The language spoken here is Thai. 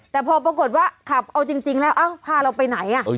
แต่พอปรากฏว่าขับเอาจริงแล้วพาเราไปไหน